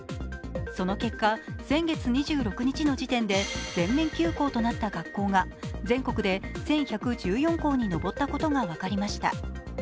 その結果、先月２６日の時点で全面休校となった学校が全国で１１１４校に上ったことが分かりました。